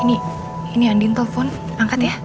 ini ini andien telpon angkat ya